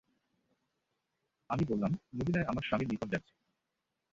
আমি বললাম, মদীনায় আমার স্বামীর নিকট যাচ্ছি।